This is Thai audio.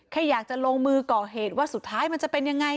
แค่อยากจะลงมือก่อเหตุว่าสุดท้ายมันจะเป็นยังไง